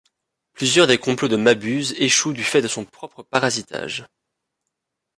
Plusieurs des complots de Mabuse échouent du fait de son propre parasitage.